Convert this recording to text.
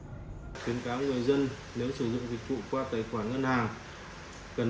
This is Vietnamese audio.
kiến cáo người dân nếu sử dụng dịch vụ qua tài khoản ngân hàng